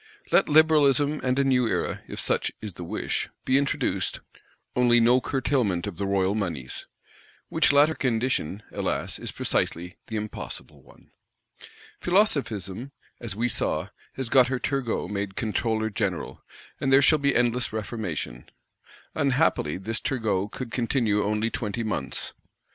Let Liberalism and a New Era, if such is the wish, be introduced; only no curtailment of the royal moneys? Which latter condition, alas, is precisely the impossible one. Philosophism, as we saw, has got her Turgot made Controller General; and there shall be endless reformation. Unhappily this Turgot could continue only twenty months.